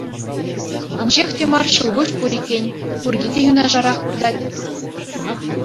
Инҫех те мар ҫӑл куҫ пур иккен, курки те юнашарах выртать.